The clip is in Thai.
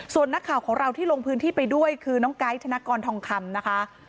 ส่วนนักข่าวของเราที่ลงพื้นที่ไปด้วยคือน้องไกด์ธนกรทองคำนะคะ